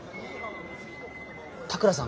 田倉さん